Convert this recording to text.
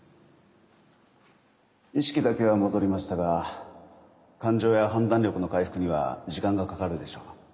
意識だけは戻りましたが感情や判断力の回復には時間がかかるでしょう。